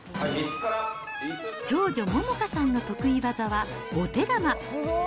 長女、百花さんの得意技はお手玉。